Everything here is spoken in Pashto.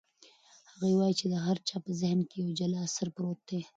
هغه وایي چې د هر چا په ذهن کې یو جلا اثر پروت دی.